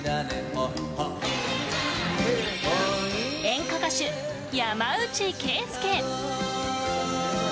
演歌歌手・山内惠介。